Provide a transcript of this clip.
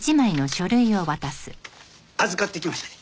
預かってきましたで。